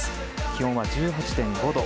気温は１８．５度。